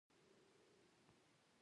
په غوږ کښي خاشه مه وهه!